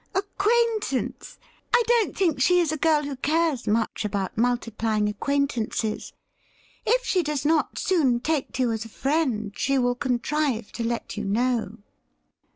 ' Acquaintance ! I don't think she is a girl who cares much about multiplying acquaintances. If she does not soon take to you as a friend, she will contrive to let you know.'